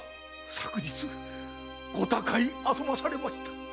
昨日ご他界あそばされました！